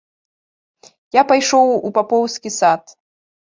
Я пайшоў у папоўскі сад.